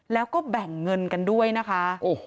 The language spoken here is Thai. แล้วก็แบ่งเงินกันด้วยนะคะ